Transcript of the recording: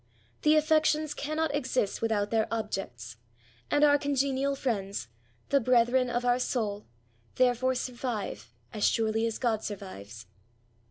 The affections cannot exist without their objects ; and our congenial friends — the brethren of our soul — therefore survive as surely as God survives.